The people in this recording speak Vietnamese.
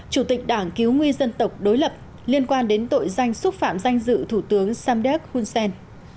chủ tịch đảng cứu nguy dân tộc đối lập liên quan đến tội danh xúc phạm danh dự thủ tướng samdek hun sen